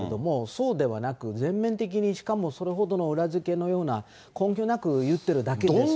そうではなく全面的に、しかもそれほどの裏付けのような根拠なく言ってるだけですよね。